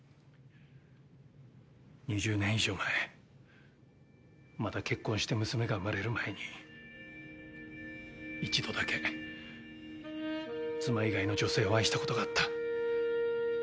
２０年以上前まだ結婚して娘が生まれる前に一度だけ妻以外の女性を愛したことがあった。